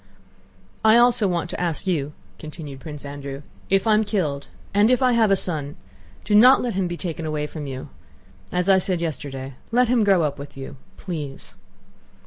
"I also wanted to ask you," continued Prince Andrew, "if I'm killed and if I have a son, do not let him be taken away from you—as I said yesterday... let him grow up with you.... Please."